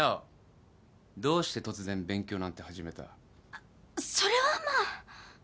あっそれはまあ。